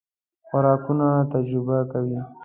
خوراکونه تجربه کوئ؟